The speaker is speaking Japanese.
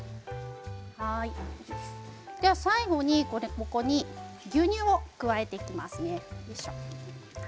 では最後にここに牛乳を加えていきますね。